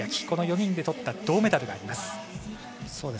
この４人でとった銅メダルがあります。